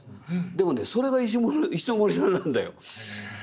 でもねそれが石森さんなんだよ。